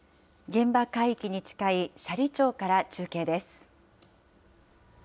現場海域に近い斜里町から中継です。